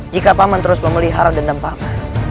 jika pak man terus memelihara dendam pak man